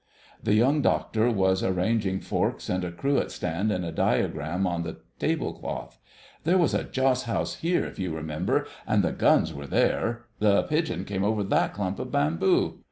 The Young Doctor was arranging forks and a cruet stand in a diagram on the table cloth. "There was a joss house here, if you remember, and the guns were here ... the pigeon came over that clump of bamboo...."